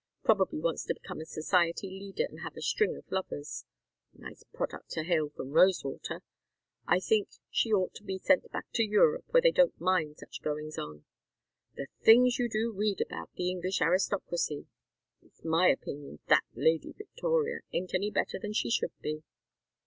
Probably wants to become a society leader and have a string of lovers. Nice product to hail from Rosewater. I think she ought to be sent back to Europe where they don't mind such goings on. The things you do read about the English aristocracy! It's my opinion that Lady Victoria ain't any better than she should be.